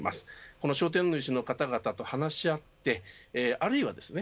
この商店主の方々と話し合ってあるいはですね